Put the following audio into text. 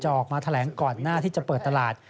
ออกมาแถลงก่อนหน้าที่จะเปิดตลาด